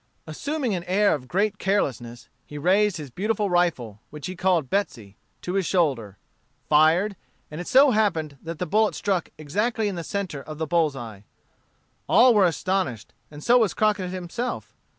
Assuming an air of great carelessness, he raised his beautiful rifle, which he called Betsey, to his shoulder, fired, and it so happened that the bullet struck exactly in the centre of the bull's eye. All were astonished, and so was Crockett himself.